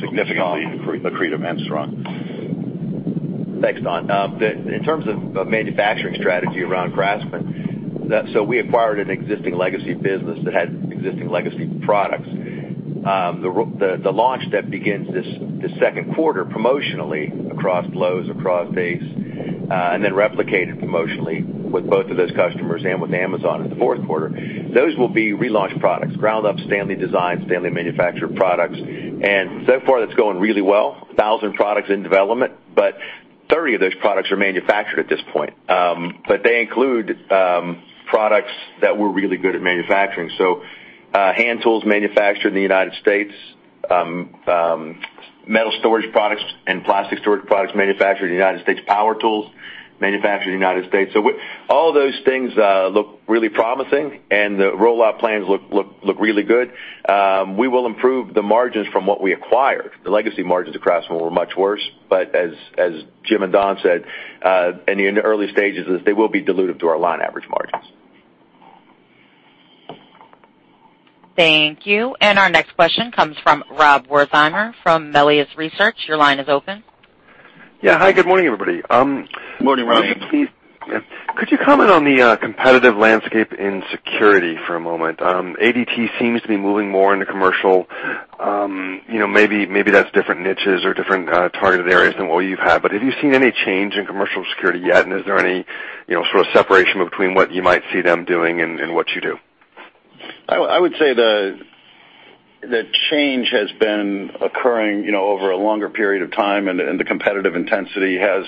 Speaker 3: significantly. Strong accretive and strong.
Speaker 5: Thanks, Don. In terms of manufacturing strategy around CRAFTSMAN, we acquired an existing legacy business that had existing legacy products. The launch that begins this second quarter promotionally across Lowe's, across Ace, and then replicated promotionally with both of those customers and with Amazon in the fourth quarter. Those will be relaunched products, ground up Stanley design, Stanley manufactured products. So far, that's going really well. 1,000 products in development, but 30 of those products are manufactured at this point. They include products that we're really good at manufacturing. Hand tools manufactured in the United States, metal storage products and plastic storage products manufactured in the United States, power tools manufactured in the United States. All those things look really promising, and the rollout plans look really good. We will improve the margins from what we acquired. The legacy margins of CRAFTSMAN were much worse, as Jim and Don said, in the early stages, they will be dilutive to our line average margins.
Speaker 1: Thank you. Our next question comes from Rob Wertheimer from Melius Research. Your line is open.
Speaker 10: Yeah. Hi, good morning, everybody.
Speaker 4: Morning, Rob.
Speaker 10: Could you comment on the competitive landscape in security for a moment? ADT seems to be moving more into commercial. Maybe that's different niches or different targeted areas than what you've had, but have you seen any change in commercial security yet? Is there any sort of separation between what you might see them doing and what you do?
Speaker 3: I would say the change has been occurring over a longer period of time, and the competitive intensity has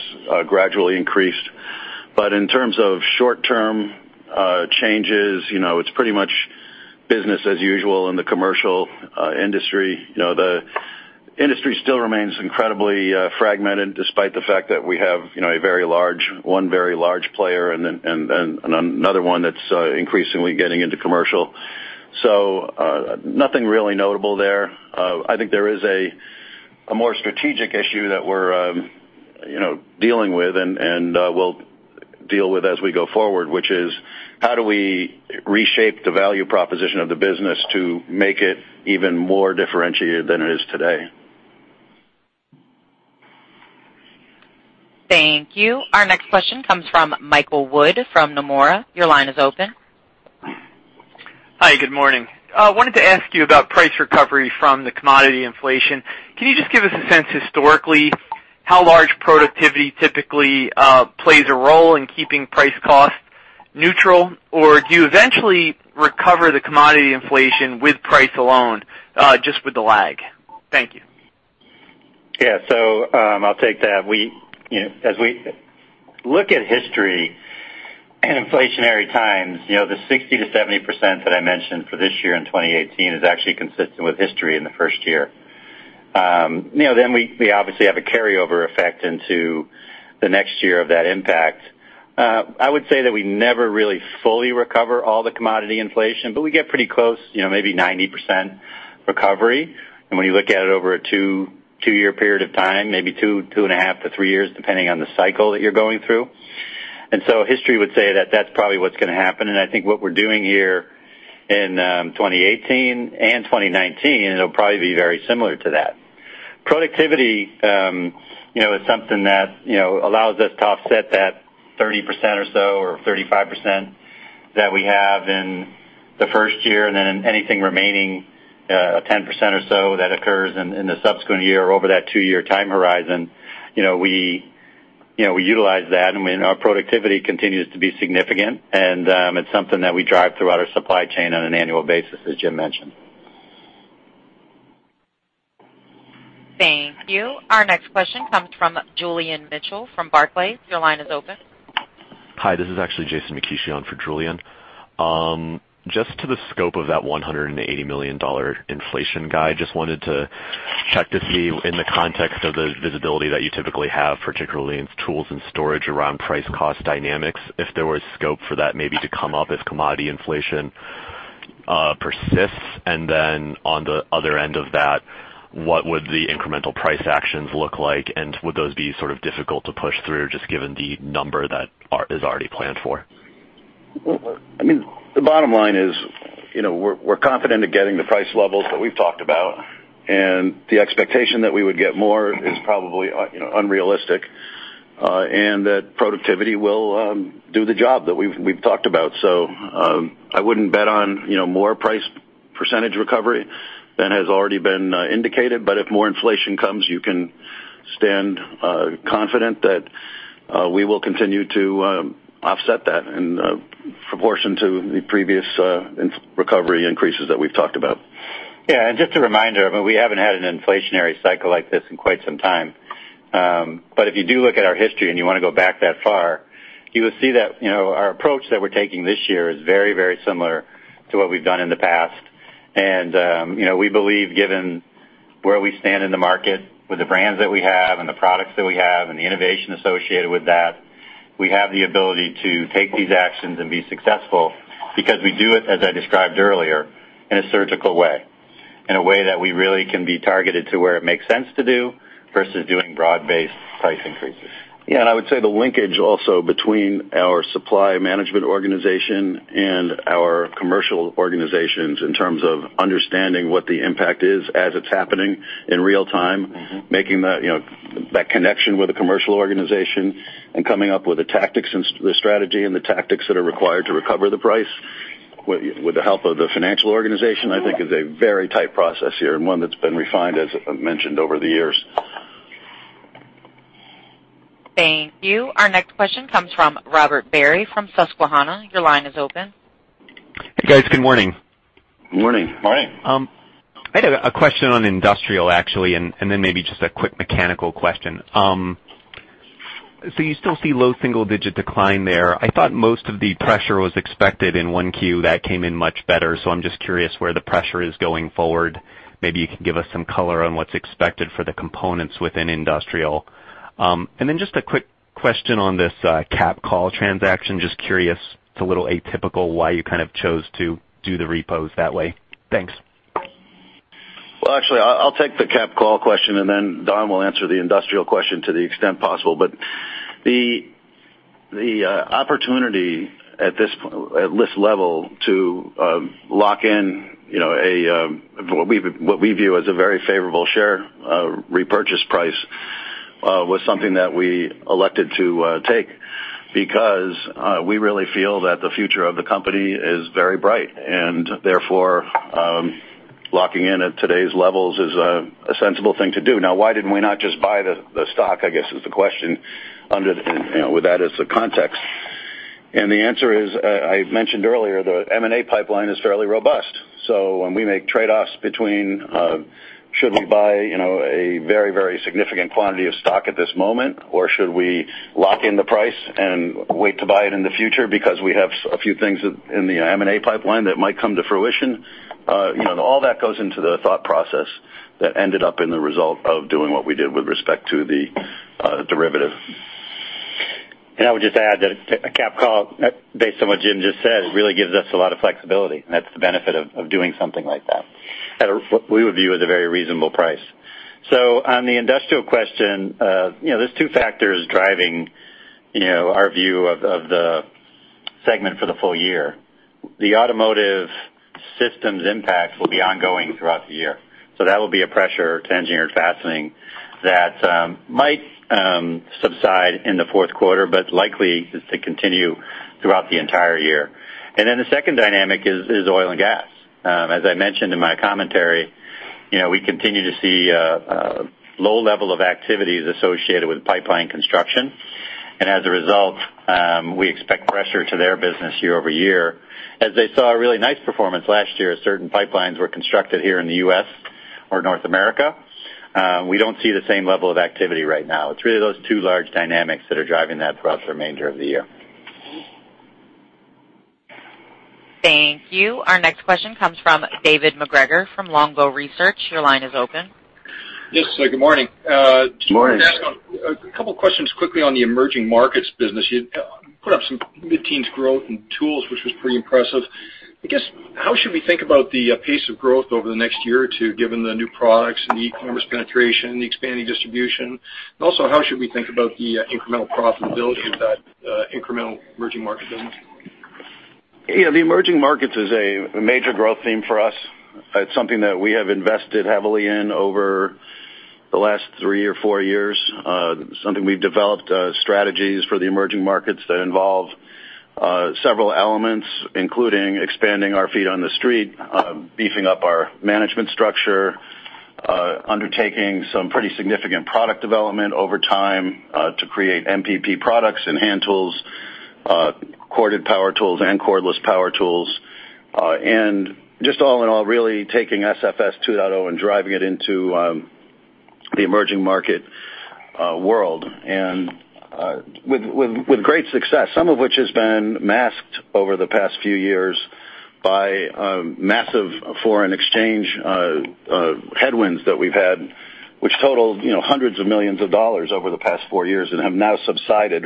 Speaker 3: gradually increased. In terms of short-term changes, it's pretty much business as usual in the commercial industry. The industry still remains incredibly fragmented, despite the fact that we have one very large player and another one that's increasingly getting into commercial. Nothing really notable there. I think there is a more strategic issue that we're dealing with and we'll deal with as we go forward, which is how do we reshape the value proposition of the business to make it even more differentiated than it is today?
Speaker 1: Thank you. Our next question comes from Michael Wood from Nomura. Your line is open.
Speaker 11: Hi, good morning. I wanted to ask you about price recovery from the commodity inflation. Can you just give us a sense historically how large productivity typically plays a role in keeping price cost neutral? Do you eventually recover the commodity inflation with price alone, just with the lag? Thank you.
Speaker 4: I'll take that. As we look at history in inflationary times, the 60%-70% that I mentioned for this year in 2018 is actually consistent with history in the first year. We obviously have a carryover effect into the next year of that impact. I would say that we never really fully recover all the commodity inflation, but we get pretty close, maybe 90% recovery. When you look at it over a two-year period of time, maybe two and a half to three years, depending on the cycle that you're going through. History would say that that's probably what's going to happen. I think what we're doing here in 2018 and 2019, it'll probably be very similar to that. Productivity is something that allows us to offset that 30% or so, or 35% that we have in the first year and then anything remaining, 10% or so that occurs in the subsequent year over that two-year time horizon. We utilize that, and our productivity continues to be significant, and it's something that we drive throughout our supply chain on an annual basis, as Jim mentioned.
Speaker 1: Thank you. Our next question comes from Julian Mitchell from Barclays. Your line is open.
Speaker 12: Hi, this is actually Jason Mikish on for Julian. Just to the scope of that $180 million inflation guide, just wanted to check to see in the context of the visibility that you typically have, particularly in Tools and Storage around price cost dynamics, if there was scope for that maybe to come up if commodity inflation persists. On the other end of that, what would the incremental price actions look like? Would those be sort of difficult to push through, just given the number that is already planned for?
Speaker 3: The bottom line is we're confident of getting the price levels that we've talked about, and the expectation that we would get more is probably unrealistic, and that productivity will do the job that we've talked about. I wouldn't bet on more price % recovery than has already been indicated, but if more inflation comes, you can stand confident that we will continue to offset that in proportion to the previous recovery increases that we've talked about.
Speaker 4: Yeah. Just a reminder, we haven't had an inflationary cycle like this in quite some time. If you do look at our history and you want to go back that far, you will see that our approach that we're taking this year is very similar to what we've done in the past. We believe, given where we stand in the market with the brands that we have and the products that we have and the innovation associated with that, we have the ability to take these actions and be successful because we do it, as I described earlier, in a surgical way, in a way that we really can be targeted to where it makes sense to do versus doing broad-based price increases.
Speaker 3: Yeah. I would say the linkage also between our supply management organization and our commercial organizations in terms of understanding what the impact is as it's happening in real time, making that connection with the commercial organization and coming up with the strategy and the tactics that are required to recover the price with the help of the financial organization, I think is a very tight process here, and one that's been refined, as mentioned, over the years.
Speaker 1: Thank you. Our next question comes from Robert Barry from Susquehanna. Your line is open.
Speaker 13: Hey, guys. Good morning.
Speaker 3: Good morning.
Speaker 4: Morning.
Speaker 13: I had a question on industrial, actually, and then maybe just a quick mechanical question. You still see low single-digit decline there. I thought most of the pressure was expected in 1Q. That came in much better. I'm just curious where the pressure is going forward. Maybe you can give us some color on what's expected for the components within industrial. Just a quick question on this capped call transaction. Just curious, it's a little atypical why you kind of chose to do the repos that way. Thanks.
Speaker 3: Well, actually, I'll take the capped call question, and then Don will answer the industrial question to the extent possible. The opportunity at this level to lock in what we view as a very favorable share repurchase price, was something that we elected to take because we really feel that the future of the company is very bright, and therefore, locking in at today's levels is a sensible thing to do. Now, why didn't we not just buy the stock, I guess, is the question with that as the context. The answer is, I mentioned earlier, the M&A pipeline is fairly robust. When we make trade-offs between should we buy a very significant quantity of stock at this moment, or should we lock in the price and wait to buy it in the future because we have a few things in the M&A pipeline that might come to fruition. All that goes into the thought process that ended up in the result of doing what we did with respect to the derivative.
Speaker 4: I would just add that a capped call, based on what Jim just said, really gives us a lot of flexibility, and that's the benefit of doing something like that at what we would view as a very reasonable price. On the industrial question, there's two factors driving our view of the segment for the full year. The automotive systems impact will be ongoing throughout the year. That will be a pressure to Engineered Fastening that might subside in the fourth quarter, but likely to continue throughout the entire year. The second dynamic is oil and gas. As I mentioned in my commentary, we continue to see a low level of activities associated with pipeline construction. As a result, we expect pressure to their business year-over-year, as they saw a really nice performance last year. Certain pipelines were constructed here in the U.S. or North America. We don't see the same level of activity right now. It's really those two large dynamics that are driving that throughout the remainder of the year.
Speaker 1: Thank you. Our next question comes from David MacGregor from Longbow Research. Your line is open.
Speaker 14: Yes. Good morning.
Speaker 3: Good morning.
Speaker 4: Morning.
Speaker 14: A couple questions quickly on the emerging markets business. You put up some mid-teens growth in tools, which was pretty impressive. I guess, how should we think about the pace of growth over the next year or two, given the new products and the e-commerce penetration, the expanding distribution? Also, how should we think about the incremental profitability of that incremental emerging market business?
Speaker 3: Yeah, the emerging markets is a major growth theme for us. It's something that we have invested heavily in over the last three or four years, something we've developed strategies for the emerging markets that involve several elements, including expanding our feet on the street, beefing up our management structure, undertaking some pretty significant product development over time to create MPP products in hand tools, corded power tools, and cordless power tools. Just all in all, really taking SFS 2.0 and driving it into the emerging market world. With great success, some of which has been masked over the past few years by massive foreign exchange headwinds that we've had, which totaled $hundreds of millions over the past four years and have now subsided.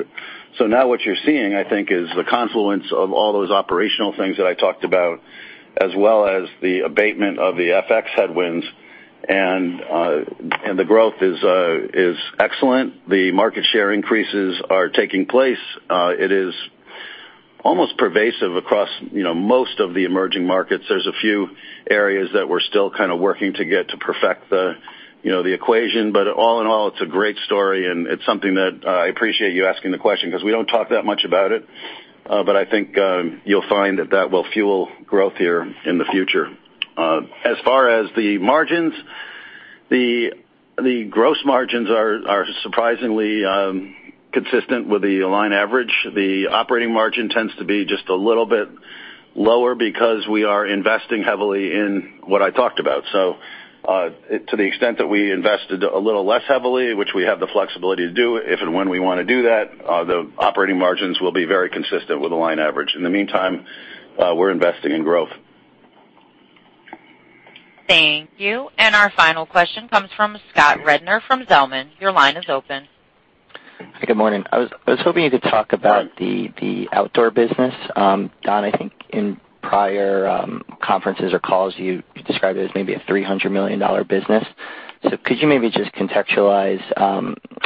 Speaker 3: Now what you're seeing, I think, is the confluence of all those operational things that I talked about, as well as the abatement of the FX headwinds. The growth is excellent. The market share increases are taking place. It is almost pervasive across most of the emerging markets. There's a few areas that we're still kind of working to get to perfect the equation. All in all, it's a great story, and it's something that I appreciate you asking the question because we don't talk that much about it. I think you'll find that that will fuel growth here in the future. As far as the margins, the gross margins are surprisingly consistent with the line average. The operating margin tends to be just a little bit lower because we are investing heavily in what I talked about. To the extent that we invested a little less heavily, which we have the flexibility to do if and when we want to do that, the operating margins will be very consistent with the line average. In the meantime, we're investing in growth.
Speaker 1: Thank you. Our final question comes from Scott Rednor from Zelman. Your line is open.
Speaker 15: Hi, good morning. I was hoping you could talk about the outdoor business. Don, I think in prior conferences or calls, you described it as maybe a $300 million business. Could you maybe just contextualize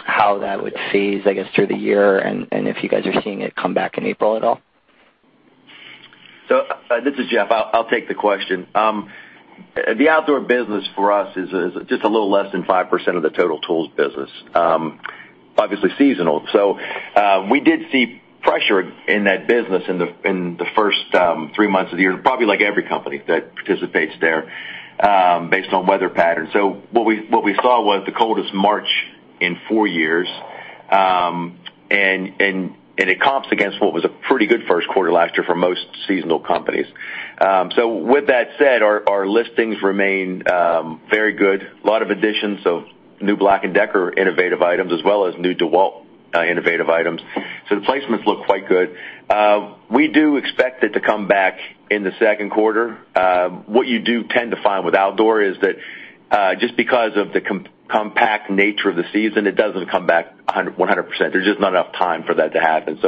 Speaker 15: how that would phase, I guess, through the year and if you guys are seeing it come back in April at all?
Speaker 5: This is Jeff. I'll take the question. The outdoor business for us is just a little less than 5% of the total tools business. Obviously seasonal. We did see pressure in that business in the first three months of the year, probably like every company that participates there, based on weather patterns. What we saw was the coldest March in four years, and it comps against what was a pretty good first quarter last year for most seasonal companies. With that said, our listings remain very good. A lot of additions of new BLACK+DECKER innovative items as well as new DEWALT innovative items. The placements look quite good. We do expect it to come back in the second quarter. What you do tend to find with outdoor is that just because of the compact nature of the season, it doesn't come back 100%. There's just not enough time for that to happen.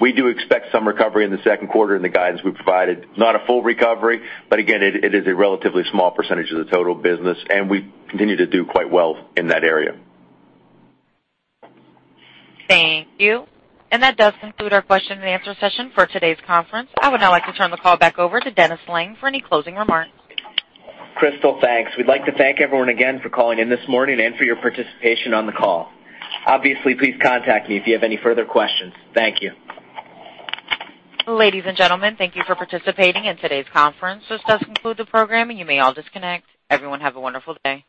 Speaker 5: We do expect some recovery in the second quarter in the guidance we've provided. Not a full recovery, but again, it is a relatively small percentage of the total business, and we continue to do quite well in that area.
Speaker 1: Thank you. That does conclude our question and answer session for today's conference. I would now like to turn the call back over to Dennis Lange for any closing remarks.
Speaker 2: Crystal, thanks. We'd like to thank everyone again for calling in this morning and for your participation on the call. Obviously, please contact me if you have any further questions. Thank you.
Speaker 1: Ladies and gentlemen, thank you for participating in today's conference. This does conclude the programming. You may all disconnect. Everyone have a wonderful day.